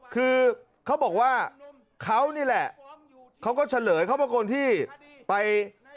คือเขาบอกว่าเขานี่แหละเขาก็เฉลยเขาเป็นคนที่ไป